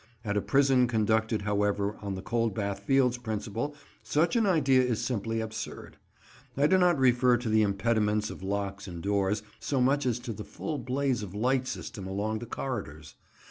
At a prison conducted, however, on the Coldbath Fields' principle such an idea is simply absurd. I do not refer to the impediments of locks and doors so much as to the full blaze of light system along the corridors.